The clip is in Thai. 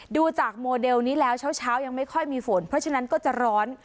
ดูจากโมเดลนี้แล้วเช้ายังไม่ค่อยมีฝนเพราะฉะนั้นก็จะร้อน